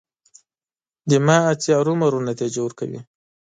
زما هڅې ارومرو نتیجه ورکوي.